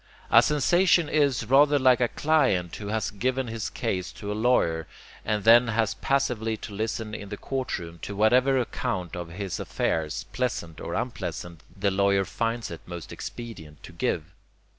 A sensation is rather like a client who has given his case to a lawyer and then has passively to listen in the courtroom to whatever account of his affairs, pleasant or unpleasant, the lawyer finds it most expedient to give.